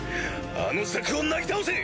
あの柵をなぎ倒せ！